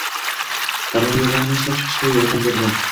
tamoyillarni ishlab chiqishga yordam berdi.